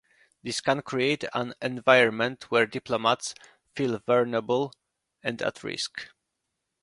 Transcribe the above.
This can create an environment where diplomats feel vulnerable and at risk.